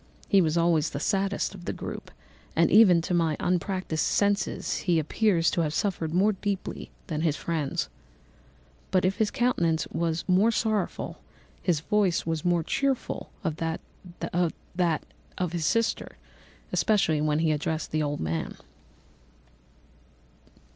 He was always the saddest of the group, and even to my unpractised senses, he appeared to have suffered more deeply than his friends. But if his countenance was more sorrowful, his voice was more cheerful than that of his sister, especially when he addressed the old man.